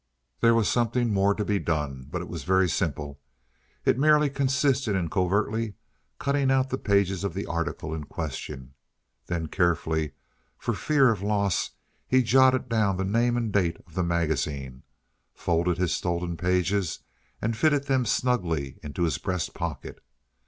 There was something more to be done. But it was very simple. It merely consisted in covertly cutting out the pages of the article in question. Then, carefully, for fear of loss, he jotted down the name and date of the magazine, folded his stolen pages, and fitted them snugly into his breast pocket.